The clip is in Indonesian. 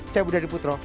saya budi hadi putro